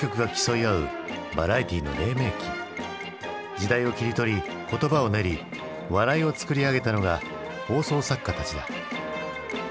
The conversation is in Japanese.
時代を切り取り言葉を練り笑いを作り上げたのが放送作家たちだ。